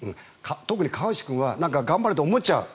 特に川内君は頑張れと思っちゃう。